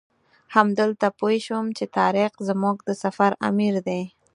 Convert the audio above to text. همدلته پوی شوم چې طارق زموږ د سفر امیر دی.